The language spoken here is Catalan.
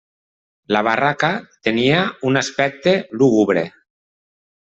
La barraca tenia un aspecte lúgubre.